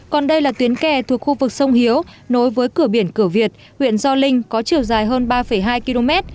còn đây là tuyến kè thuộc khu vực sông hiếu nối với cửa biển cửa việt huyện gio linh có chiều dài hơn ba hai km